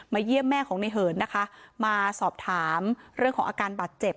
เยี่ยมแม่ของในเหินนะคะมาสอบถามเรื่องของอาการบาดเจ็บ